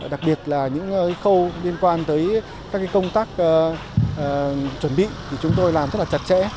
đặc biệt là những khâu liên quan tới các công tác chuẩn bị thì chúng tôi làm rất là chặt chẽ